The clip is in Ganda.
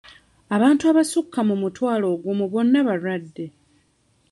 Abantu abasukka mu mutwalo ogumu bonna balwadde.